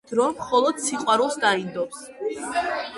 დრო მხოლოდ სიყვარულს დაინდობს!.